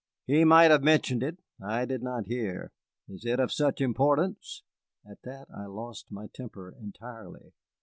"He might have mentioned it, I did not hear. Is it of such importance?" At that I lost my temper entirely.